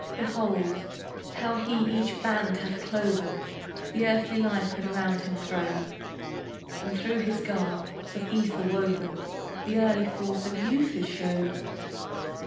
Behold, how he each band hath cloven, The earthly life had round him thrown. And through his garb, of ether woven, ("The early force of youth is shown!